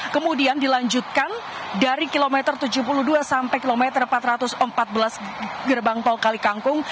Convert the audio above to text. kemudian dilanjutkan dari kilometer tujuh puluh dua sampai kilometer empat ratus empat belas gerbang tol kalikangkung